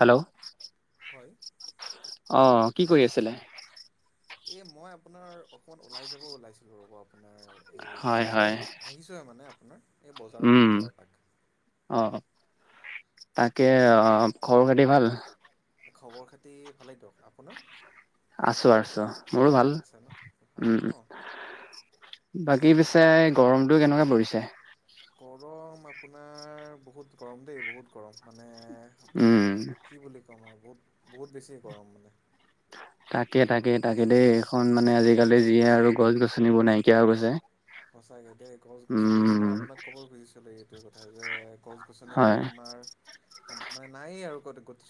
Hello. হয়। অ কি কৰি আছিলে? এ মই আপোনাৰ অকমান ওলাই যাব ওলাইছিলো ৰব। আপোনাৰ এই হয় হয় ওলাই আহিছোঁ হে মানে আপোনাৰ এই বজাৰৰ উম ফালে যাও এপাক। অ তাকে খবৰ খাতি ভাল। খবৰ খাতি ভালেই দিয়ক। আপোনাৰ? আছো আছো মোৰো ভাল, আছে ন ভালে ন উম। বাকী পিছে গৰমটো কেনেকুৱা পৰিছে? গৰম আপোনাৰ বহুত গৰম দেই বহুত গৰম মানে আপোনাৰ উম। কি বুলি বহুত বহুত বেছি এ গৰম মানে। তাকে তাকে তাকে দেই এইখন মানে আজিকালি যিয়ে আৰু গছ গছনিবোৰ নাইকিয়া হৈ গৈছে। সঁচাকে দেই। গছ গছনি মই উম আপোনাক ক'ব খুজিছিলো এইটোৱে কথা যে গছ হয় গছনিবিলাক আমাৰ মানে নায়েই আৰু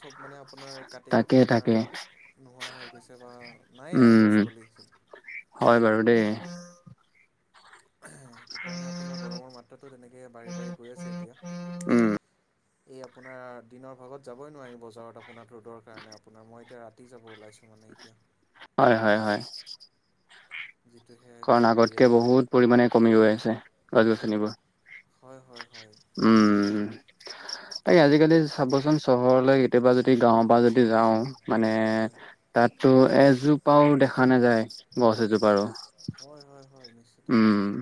চব মানে আপোনাৰ কাটি কাটি তাকে আমাৰ তাকে নোহোৱা হৈ গৈছে বা নায়েই আৰু উম গছ পুলি। হয় বাৰু দে। সেইটো কাৰণে আপোনাৰ গৰমৰ মাত্ৰাটো তেনেকৈ বাৰি বাৰি গৈ আছে এতিয়া। উম এই আপোনাৰ দিনৰ ভাগত যাবই নোৱাৰি বজাৰত আপোনাৰ ৰ'দৰ কাৰণে আপোনাৰ মই এতিয়া ৰাতি যাব ওলাইছো। হয় হয় হয়। যিটোহে কাৰণ গৰম দিয়ে আগতকে দিনত বহুত পৰিমানে কমি গৈ আছে গছ গছনিবোৰ। হয় হয় হয়। উম তাকে আজিকালি চাবচোন চহৰলৈ কেতিয়াবা যদি গাঁও পৰা যদি যাওঁ মানে হয় তাত। ত' এজোপাও দেখা নাযায় গছ এজোপাৰো। হয় হয় হয় নিশ্চয়। উম।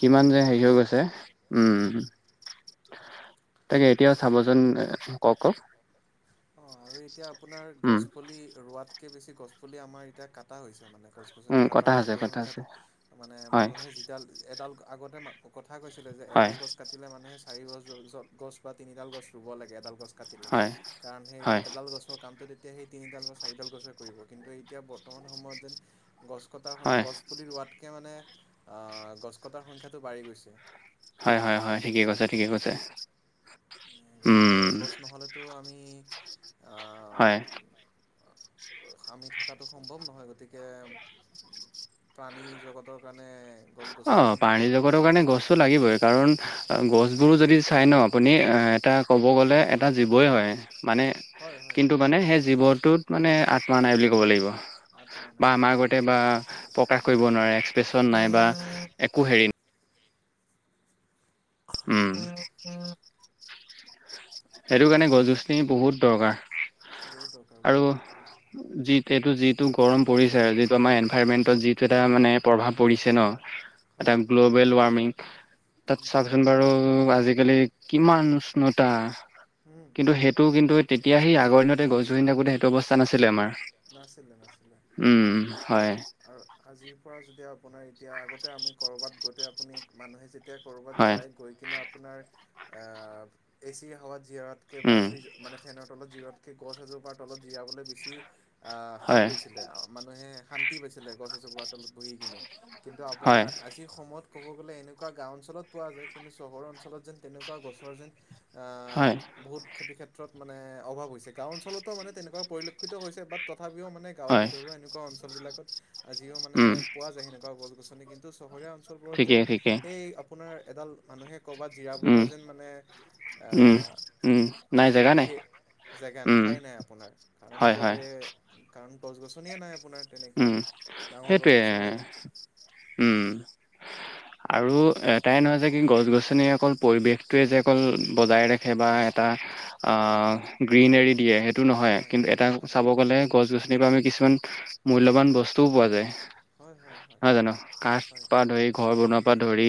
কিমান যে গছ হেৰি হৈ গছনি গৈছে উম। তাকে এতিয়াও চাবচোন কওক কওক। অ আৰু এতিয়া আপোনাৰ উম। গছ পুলি ৰোৱাতকে বেছি গছ পুলি আমাৰ এতিয়া কাটা হৈছে মানে। গছ গছনি উম কথা কটাৰ আছে কথা আছে পৰিসংখ্যাটো মানে হয় মানুহে যিডাল এডাল আগতে মা। কথা কৈছিলে যে হয় এডাল গছ কাটিলে মানুহে চাৰি গছ গছ বা তিনিডাল গছ ৰুব লাগে এডাল গছ। কাটিলে হয়। কাৰণ সেই হয় এডাল গছৰ কামটো। এতিয়া সেই তিনিডাল বা চাৰিডাল গছৰ কৰিব কিন্তু এতিয়া বৰ্তমান সময়ত যেন। গছ কটাৰ গছ হয় পুলি ৰোৱাতকে মানে আহ গছ কটাৰ সংখ্যাটো বাঢ়ি গৈছে। হয় হয় হয় ঠিকে কৈছে ঠিকে কৈছে। গতিকে উম গছ নহলেতো আমি। হয়। আমি থকাটো সম্ভৱ নহয় গতিকে। প্ৰাণী জগতৰ কাৰণে। গছ অ গছনি প্ৰাণী জগতৰ কাৰণে গছটো লাগিবই কাৰণ। গছ বোৰো যদি চাই ন আপুনি এটা ক'ব গ'লে এটা জীৱই হয়। মানে হয় হয় কিন্তু মানে সেই জীৱটোত মানে আত্মা নাই বুলি ক'ব লাগিব। আত্মা বা নাই হয় আমাৰ আগতে বা প্ৰকাশ কৰিব নোৱাৰে এক্সপ্ৰেচন নাই বা। প্ৰকাশ কৰিব একো হেৰি। হয় উম। হয় সেইটো কাৰণে গছ গছনি বহুত দৰকাৰ। বহুত দৰকাৰ আৰু বহুত দৰকাৰ যি এইটো যিটো গৰম পৰিছে আৰু যিটো আমাৰ এনভাইৰমেন্ট। যিটো এটা মানে প্ৰভাৱ পৰিছে ন‌ এটা হয় গ্লোৱেল ৱাৰ্মিঙৰ তাত চাওক বাৰু আজিকালি কিমান উষ্ণতা কিন্তু সেইটো কিন্তু। তেতিয়া সেই আগৰ দিনতে গছ গছনি থাকোতে সেইটো অৱস্থা নাছিলে আমাৰ। নাছিলে নাছিলে উম হয় আৰু আজিৰ পৰা যদি। আপোনাৰ এতিয়া আগতে আমি ক'ৰবাত গোতে আপুনি মানুহে যেতিয়া। ক'ৰবাত হয় যায় গৈ কিনে আপোনাৰ এ চিৰ হাৱা জিৰাতকৈ বা উম ফ্ৰিজ মানে ফেনৰ তলত জিৰতকৈ গছ এজোপাৰ তলত জিৰাবলৈ বেছি আহ সেই হয় কৰিছিলে মানুহে শান্তি পাইছিলে গছ এজোপাৰ তলত বহি কিনে। কিন্তু আপোনাৰ হয় আজিৰ সময়ত। ক'ব গ'লে এনেকুৱা গাও অঞ্চলত পোৱা যায় কিন্তু চহৰৰ অঞ্চলত যেন তেনেকুৱা গছৰ যেন। হয় বহুত খেতিৰ ক্ষেত্ৰত মানে অভাৱ হৈছে গাঁও অঞ্চলতো মানে তেনেকুৱা পৰিলক্ষিত হৈছে বাট। তথাপিও মানে গাঁৱৰ হয় ভিতৰুৱা এনেকুৱা অঞ্চল বিলাকত আজিও মানে উম পোৱা যায় সেনেকোৱা গছ গছনি কিন্তু চহৰীয়া অঞ্চলবোৰত যেন ঠিকেই ঠিকেই। সেই আপোনাৰ এডাল মানুহে। ক'ৰবাত জিৰাবলৈ উম, যেন মানে। উম, উম, নাই জেগা নাই। সেই জেগা নাই উম, ঠাই নাই আপোনাৰ কাৰণ হয়, হয়। ৰ'দে। কাৰণ গছ গছনিয়ে নাই। আপোনাৰ তেনেকুৱা উম ডাঙৰ গছ সেইটোৱে গছনিয়ে নাই উম। [inaudible] আৰু এটাই নহয় যে কি গছ গছনি অকল পৰিৱেশটোৱে যে অকল বজাই ৰাখে বা এটা অ হয় গ্ৰীনেৰি দিয়ে সেইটো নহয় হয় কিন্তু হয় এটা চাব গ'লে গছ-গছ- নি পা আমি কিছুমান মূল্যবান বস্তুও পোৱা যায়। হয় হয়। হয় নহয় জানো কাঠ হয় পা ধৰি ঘৰ বনোৱাৰ পৰা ধৰি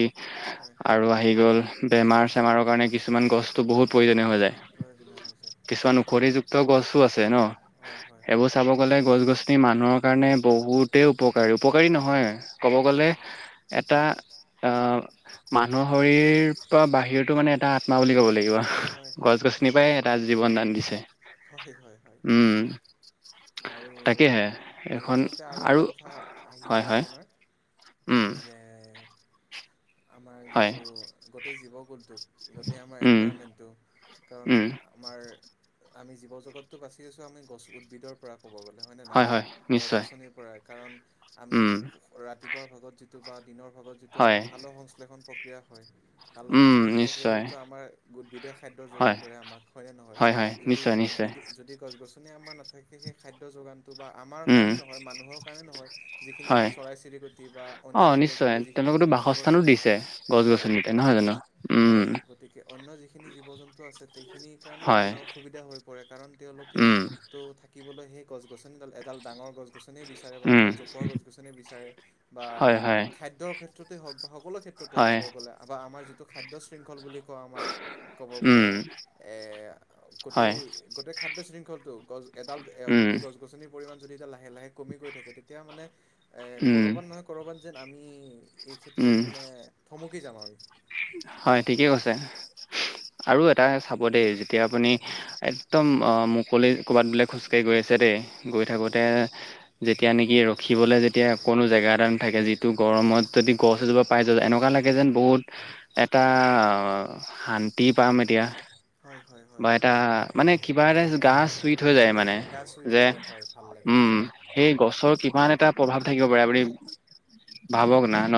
হয় আৰু আহি গল। বেমাৰ চেমাৰৰ কাৰণে কিছুমান গছটো বহুত প্ৰয়োজনীয় হৈ যায়। প্ৰয়োজনীয় হৈছে কিছুমান ঔষধী যুক্ত গছো আছে ন হয় হয় হয় সেইবোৰ চাব গ'লে গছ-গছনি মানুহক এ বহুতেই উপকাৰী উপকাৰী বহুত নহয় ক'ব হয় গ'লে হয় হয় এটা আহ মানুহৰ শৰীৰ বাহিৰতো মানে এটা আত্মা বুলি ক'ব লাগিব হয় গছ হয় গছনিৰ পৰাই এটা জীৱন দান দিছে। হয় হয় হয় উম আৰু। তাকেহে এইখিনিতে আৰু এটা কথা আহি হয় যায় হয় উম আপোনাৰ যে আমাৰ হয় যিটো গোটেই জীৱক টোক আগতে আমাৰ উম ইনভেষ্টমেণ্ট টো কাৰণ উম আমাৰ আমি জীৱ জগতটো বাচি আছো আমি গছ উদ্ভিদৰ পৰা ক'ব গ'লে হয়নে হয় নহয় হয় গছ নিশ্চয় গছনিৰ পৰাই কাৰণ আমি উম ৰাতিপুৱাৰ ভাগত যি- টো বা দিনৰ ভাগত যিটো হয় আমাৰ শাল সংশ্লেষণ প্ৰক্ৰিয়া হয় শাল উম সংশ্লেষণ নিশ্চয় প্ৰক্ৰিয়াটোতো আমাৰ উদ্ভিদে খাদ্য যোগান হয় ধৰে আমাক হয় নে নহয়? হয় যদি নিশ্চয় নিশ্চয় উদ্ভিদ যদি গছ গছনি তুনে আমাৰ নাথাকে খাদ্য যোগান। বা আমাৰ উম কাৰণে নহয় মানুহৰ কাৰণে নহয় যিখিনি হয় আমাৰ চৰাই চিৰিকটি বা অন্য জীৱ জন্তু যিখি- ম কতো বাসস্থানো দিছে গছ গছনিতে নহয় জানো। হয় উম গতিকে অন্য যিখিনি জীৱ জন্তু আছে সেইখিনিৰ কাৰণেও হয়, আপোনাৰ অসুবিধা হয় কাৰণ তেওঁলোকেও উম, ত থাকিবলৈ সেই গছ গছনিডাল এডাল ডাঙৰ গছ গছ গছনেই বিচাৰে বা উম, এাল জপোৱা গছ গছনে বিচাৰে বা হয়, হয়, খাদ্যৰ ক্ষেত্ৰতেই হওক সকলো ক্ষেত্ৰতে হয়, ক'ব গ'লে আ আমাৰ যিটো খাদ্যয় শৃংখল বুলি কওঁ আমাৰ ক'ব গ'লে উম, এ হয়, গোটেই গোটেই খাদ্য শৃংখলটো গছ এডাল উম, গোটেই গছ গছনিৰ পৰিমাণ যদি লাহে লাহে কমি গৈ থাকে তেতিয়া মানে এ উম, কৰবাত নহয় কৰবাত যেন আমি এই ক্ষেত্ৰত উম, মানে থমকি যাম আৰু। হয় ঠিকে কৈছে আৰু এটা চাব দেই যেতিয়া আপুনি হয় একদম মুকলি ক'ৰবাত বোলে খোজকাঢ়ি গৈ আছে দেই গৈ হয় থাকোঁতে যেতিয়া নেকি ৰখিবলৈ যেতিয়া কোনো জেগা এটা নাথাকে যিটো গৰমত যদি গছ এজোপা পাই যোৱা এনেকুৱা লাগে যেন বহুত এটা শান্তি পাম এতিয়া হয় হয় বা হয় এটা মানে কিবা এটা গা চুইত থৈ যায় মানে গা চুই যে থৈ যায় হয় ভাল লাগে উম সেই গছৰ কিমান এটা প্ৰভাৱ থাকিব পাৰে আপুনি ভাবক না ন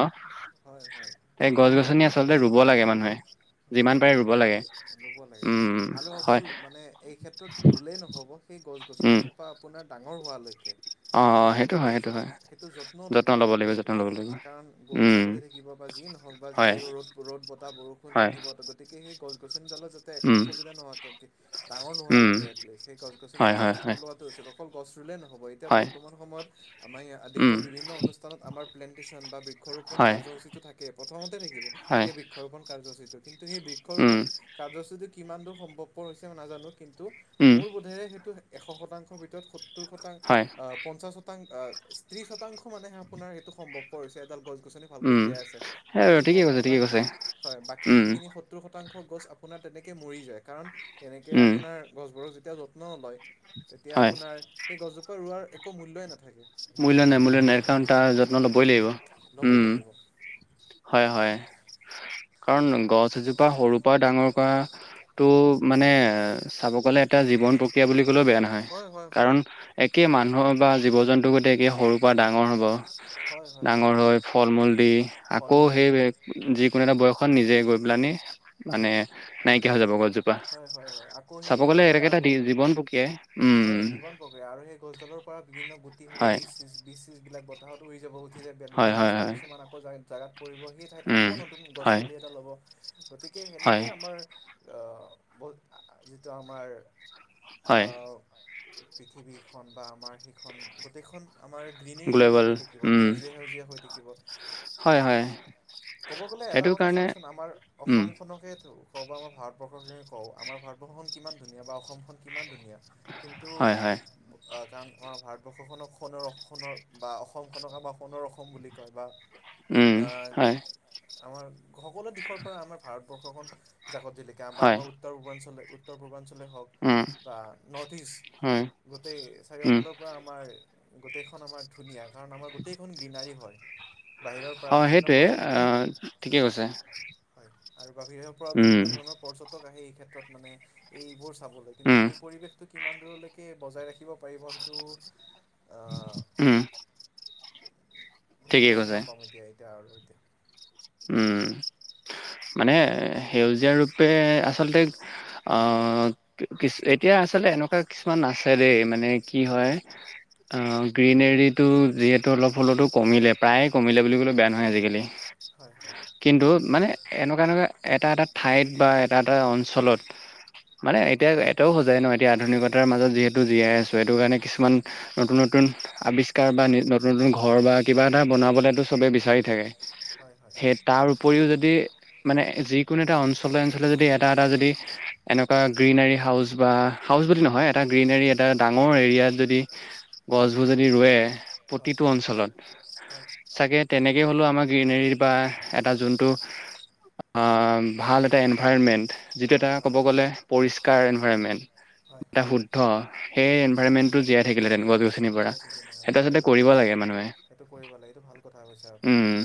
হয় হয় এই গছ গছনি আচলতে ৰুব লাগে মানুহে যিমান পাৰে ৰুব লাগে। উম হয় আলুসকল মানে এই ক্ষেত্ৰত ৰুলেই নহ'ব সেই গছ উম গছনিজোপা আপোনাৰ ডাঙৰ হোৱালৈকে অ অ আপোনাৰ হয় সেইটো যত হয় সেইটো যত্ন লব লাগিব সেই কাৰণ গৰু উম ছাগলী থাকিব বা যি নহওক বা হয় সেই ৰ'দ ৰ'দ বতাহ বৰষুণ হয় থাকিব গতিকে সেই গছ গছ- যাতে একো উম অসুবিধা নোহোৱাকে ডাঙৰ উম নোহোৱালৈকে এটলিছ হয় গছনিডালৰ হয় যত্ন হয় লোৱাটো আছিল অকল গছ ৰুলেই নহ'ব এতিয়া হয় বৰ্তমান সময়ত আমাৰ দেখো উম বিভিন্ন অনুষ্ঠানত আমাৰ প্লেন্টেশ্যন বা বৃক্ষৰোপন হয় কাৰ্যসূচীতটো থাকে প্ৰথমতে নেক- হয় এই বৃক্ষৰোপন কাৰ্য্যসূচীটো কিন্তু সেই উম বৃক্ষৰোপন কাৰ্যসূচীটো কিমান দূৰ সম্ভৱপৰ হৈছে মই নাজানো কিন্তু উম মোৰ বোধেৰে সেইটো এশ শতাংশৰ ভিতৰত স- টৌৰ শতাং হয় আহ পঞ্চাশ শতাং আহ ত্ৰিশ শতাংশ মানেহে আপোনাৰ সেইটো সম্ভৱ পৰ হৈছে। গছ গছনি ভালকৈ উম জীয়াই আছে সেই আৰু বাকী ঠিকে কৈছে ঠিকে শতাং কৈছে হয় বাকী উম যিখিনি সত্তৰ শতাংশ গছ আপোনাৰ তেনেকৈ মৰি যায় কাৰণ তেনেকে উম আপোনাৰ গছবোৰক যেতিয়া যত্ন লয় তেতিয়া হয় আপোনাৰ সেই গছজোপা ৰোৱাৰ একো মূল্যই নাথাকে মূল্য নাই মূল্য নাই কাৰণ তাৰ যত্ন লব ই লাগিব ল'বই উম লাগিব হয় হয় কাৰণ গছ এজোপা সৰুৰ পৰা ডাঙৰ কৰা টো মানে চাব গলে এটা জীৱন প্ৰক্ৰিয়া বুলি কলেও বেয়া নহয় হয় হয় হয় কাৰণ একে মানুহৰ বা জীৱ জন্তু গোটে একে সৰু পা ডাঙৰ হ'ব হয় হয় হয় ডাঙৰ হৈ ফল মূল দি ফল আকৌ মূল সেই দিব যিকোনো এটা বয়সত নিজে গৈ পেলানি হয় মানে নাইকিয়া হৈ যাব গছজোপা হয় হয় হয় আকৌ সেই চাব গ'লে গছডালে এনেকে এটা আকৌ জীৱন পক্ৰিয়াই হয় জীৱন প্ৰক্ৰিয়া আৰু সেই গছডালৰ পৰা বিভিন্ন গুটি হ'ব হয় বিজ চীজবিলাক বতাহত উৰি যাব উঠি যায় হয় হয় নিৰ্দিষ্ট হয় কিছুমান আকৌ জেগা জেগাত পৰিব সেই ঠাইত উম আকৌ নতুন গছ হয় পুলি এটা ল'ব গতিকে হয় সেনেকে আমাৰ ব যিটো আমাৰ আ হয় পৃথিৱী- খন বা আমাৰ সেইখন গোটেইখন আমাৰ গ্ৰীণেই গ্ৰীণী গ্ল'বেল হৈ থাকিব উম সেউজীয়াই সেউজীয়া হৈ থাকিব- হয় হয় ক'ব গলে এটা সেইটো কথা কাৰণে চাওকচোন আমাৰ উম অসমখনকে- কওঁ বা আমাৰ ভাৰতবৰ্ষকে কওঁ আমাৰ ভাৰতবৰ্ষখন কিমান ধুনীয়া বা অসমখন কিমান ধুনীয়া- কিন্তু হয় হয় অ কাৰণ আমাৰ ভাৰতবৰ্ষখনক সোণৰ সোণৰ বা অসমখনক আমাৰ সোণৰ অসম বুলি কয় বা- উম আহ হয়- আমাৰ সকলো- দিশৰ পৰা আমাৰ ভাৰতবৰ্ষখন জাকত জিলিকা বা হয়, আমাৰ উত্তৰ পূৰ্বাঞ্চলে উত্তৰ পূৰ্বাঞ্চল- হওক উম, বা নৰ্থ হয়, ইষ্ট গোটেই উম, চাৰিওফালৰ পৰা আমাৰ- গোটেইখন আমাৰ ধুনীয়া কাৰণ আমাৰ গোটেইখন গ্ৰীনাৰী হয় বাহিৰৰ পৰা হয় বিভিন্ন সেইটোৱে পৰ্যটক ঠিকে কৈছে হয় আৰু বাহিৰৰ পৰা উম, বিভিন্ন ধৰণৰ পৰ্যটক আহে এই ক্ষেত্ৰত মানে এইবোৰ- কিন্তু উম, এই পৰিৱেশটো কিমান দূৰলৈকে বজাই ৰাখিব পাৰিব সেইটো- আহ উম- উ ঠিকেই গম কৈছে। নাপাম এতিয়া এতিয়া আৰু এতিয়া- উম- মানে সেউজীয়া ৰূপে আচলতে আহ কিছু এতিয়া- আচলতে এনেকোৱা কিছুমান আছে দেই মানে কি হয় অ গ্ৰীনেৰীটো যিহেতু অলপ হলেতো কমিলে প্ৰায়ে কমিলে বুলি ক'লেও বেয়া নহয় আজিকালি- হয় হয়। কিন্তু মানে এনেকোৱা এনেকোৱা এটা এটা ঠাইত বা এটা এটা অঞ্চলত মানে এতিয়া এটাও সজায় নহয় এতিয়া আধুনিকতাৰ মাজত যিহেতু জীয়াই আছো এইটো কাৰণে কিছুমান নতুন নতুন- আৱিষ্কাৰ বা নতুন নতুন ঘৰ বা কিবা এটা বনাবলেতো চবে বিচাৰি থাকে হয় হয়। সেই তাৰ উপৰিও যদি মানে যিকোনো এটা অঞ্চলে অঞ্চলে যদি এটা এটা যদি- এনেকোৱা গ্ৰীণাৰী হাউচ বা হাউচ বুলি নহয় এটা গ্ৰীণাৰী এটা ডাঙৰ এৰিয়াত যদি- গছবোৰ যদি ৰুৱে প্ৰ হয় তিটো হয়। অঞ্চলত হয়। হয় চাগে তেনেকে হ'লেও আমাৰ গ্ৰীনেৰী বা এটা যোনটো- আ ভাল এটা এনভাইৰণমেণ্ট যিটো এটা হয়। ক'ব গ'লে পৰিষ্কাৰ এনভাইৰণমেণ্ট হয় এটা হয়। শুদ্ধ সেই এনভাইৰনমেণ্টো জীয়াই থাকিলে তেনেকোৱা জীয়াই থাকিব হয় এইটো বহুত হে মানুহে এইটো কৰিব লাগে এইটো ভাল কথা কৈছে আপুনি উম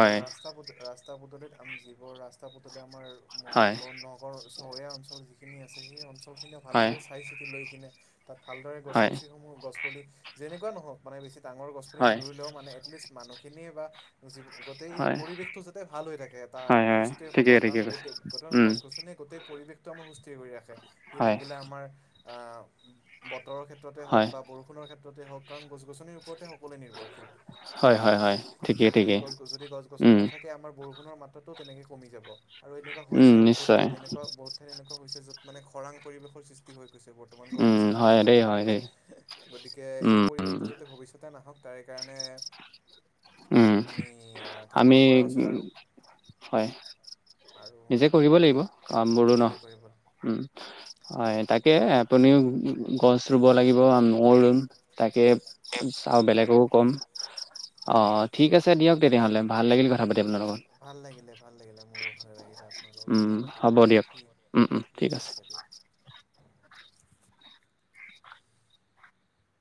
আৰু ৰাস্তা পদ ৰাস্তা পদূলিত আমি যিবোৰ ৰাস্তা পদূলি আমাৰ- মই হয় ক নগৰ চহৰীয়া অঞ্চল যিখিনি আছে সেই অঞ্চল খিনিয়ে হয় ভালদৰে চাই চিতি লৈ কিনে তাত ভালদৰে গছ হয় পছিসমূহ গছ পুলি যেনেকোৱা নহওক মানে বেছি- ডাঙৰ গছপুলি হয় নুৰুলেও মানে এটলিষ্ট মানুহখিনিয়ে বা যি গোটেই হয় পৰিৱেশটো যাতে ভাল হৈ থাকে এটা হয় হয় সুস্থিৰ ঠিকে খবৰ কাৰণ ঠিকে কৈছে গোটেই গ উম গছ গছনি গোটেই পৰিৱেশ সুস্থিৰ কৰি ৰাখে সি হয় লাগিলে আমাৰ আহ বতৰৰ ক্ষেত্ৰতে হওঁক হয় বা বতৰৰ ক্ষেত্ৰতে হওক কাৰণ গছনি ওপৰতে হওঁক সকলোৱে নিৰ্ভৰশীল হয় হয় হয় ঠিকেই গতিকে ঠিকেই গছ গছ যদি গছ গছনি উম নাথাকে আমাৰ বৰষুণ বৰষুণৰ মাত্ৰাটোও তেনেকৈ কমি যাব আৰু এনেকুৱা উম হৈছেও বহুত নিশ্চয় ঠাইত এনেকুৱা বহুত ঠাইত এনেকুৱা হৈছে য'ত মানে খৰাং পৰিৱেশৰ সৃষ্টি হৈ গৈছে বৰ্তমান গছ উম গছনি হয় নথকাৰ দেই হয় পৰিৱেশত দেই গতিকে উম এই উম পৰিৱেশটো যাতে ভৱিষ্যতে নাহক তাৰে কাৰণে উম আমি আহ আমি কামনা কৰা উচিত উম, আৰু হয় আৰু নিজে কৰিব লাগিব কাম বোৰো ন নিজে কৰিব উম হয় তাকে আপুনিও গছ ৰুব লাগিব ময়ো ৰুম তাকে আৰু বেলেগকো কম অ হয় ঠিক আছে দিয়ক তেতিয়া হ'লে ভাল লাগিল কথা পাতি আপোনাৰ লগত। ভাল লাগিলে ভাল লাগিলে মোৰো ভালে লাগিলে আপোনাৰ লগত উম, কথা হ'ব দিয়ক। উম, পাতি ঠিক আছে। [inaudible]